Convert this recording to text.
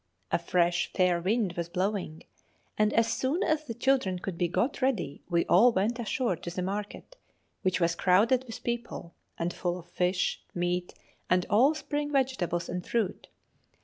A fresh fair wind was blowing, and as soon as the children could be got ready we all went ashore to the market, which was crowded with people, and full of fish, meat, and all spring vegetables and fruit.